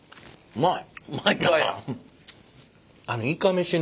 うまいな！